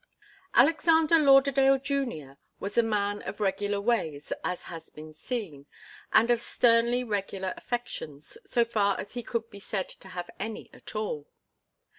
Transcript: Alexander Lauderdale Junior was a man of regular ways, as has been seen, and of sternly regular affections, so far as he could be said to have any at all.